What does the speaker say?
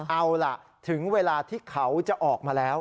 เอาล่ะถึงเวลาที่เขาจะออกมาแล้ว